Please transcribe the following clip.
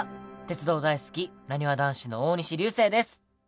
鉄道大好きなにわ男子の大西流星です。